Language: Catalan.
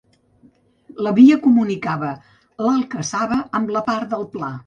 La via comunicava l’alcassaba amb la part del pla.